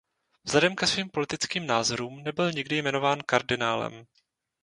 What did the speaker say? Vzhledem ke svým politickým názorům nebyl nikdy jmenován kardinálem.